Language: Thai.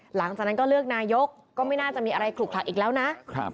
หลังจากนั้นก็เลือกนายกก็ไม่น่าจะมีอะไรขลุกคลักอีกแล้วนะ